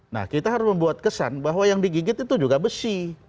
nah kita harus membuat kesan bahwa yang digigit itu juga besi